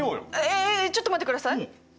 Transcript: えっえっえっちょっと待ってください。